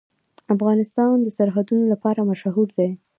افغانستان د سرحدونه لپاره مشهور دی.